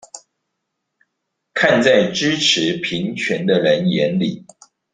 看在支持平權的人眼裡